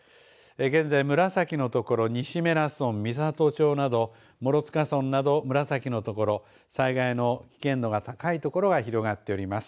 現在、紫のところ西米良村、美郷町など諸塚村など紫のところ災害の危険度が高いところが広がっております。